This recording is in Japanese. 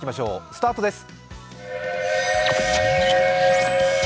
スタートです。